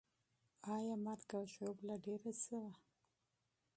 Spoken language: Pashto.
آیا مرګ او ژوبله ډېره سوه؟